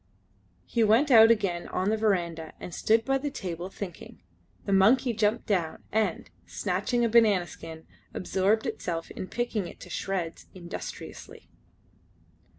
He went out again on the verandah and stood by the table thinking. The monkey jumped down, and, snatching a banana skin, absorbed itself in picking it to shreds industriously.